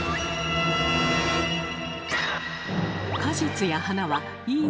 果実や花はいい